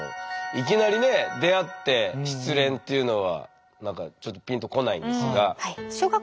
いきなりね出会って失恋っていうのは何かちょっとピンと来ないんですが。